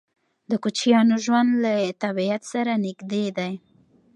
د کوچیانو ژوند له طبیعت سره نږدې دی.